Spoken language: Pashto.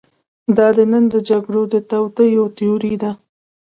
دا د نن د جګړو د توطیو تیوري ده.